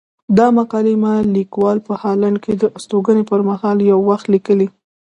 دا مقالې ما ليکوال په هالنډ کې د استوګنې پر مهال يو وخت ليکلي.